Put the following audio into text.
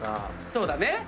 そうだね。